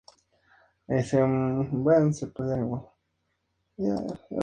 Era un contador Público.